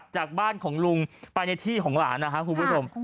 จากบ้านของลุงไปในที่ของหลานนะครับคุณผู้ชม